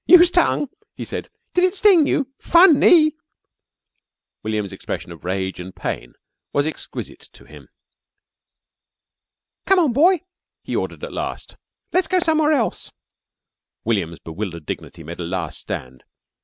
"You stung?" he said. "Did it sting you? Funny!" William's expression of rage and pain was exquisite to him. "Come on, boy!" he ordered at last. "Let's go somewhere else." William's bewildered dignity made a last stand.